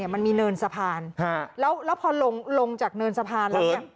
มันมีเนินสะพานแล้วพอลงจากเนินสะพานแล้วเนี่ย